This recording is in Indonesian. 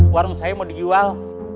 warung saya mau dijual